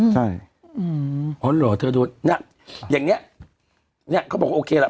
ใช่อืมอ๋อเหรอเธอโดนน่ะอย่างเนี้ยเนี้ยเขาบอกโอเคล่ะ